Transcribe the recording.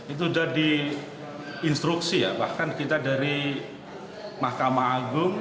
itu sudah di instruksi ya bahkan kita dari mahkamah agung